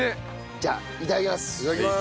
じゃあいただきます。